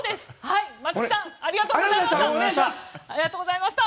松木さんありがとうございました。